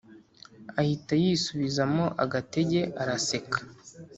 ahita yisubizamo agatege araseka